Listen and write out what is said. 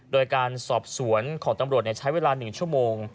โดยการสอบสวนของตำรวจใช้เวลา๑ชั่วโมง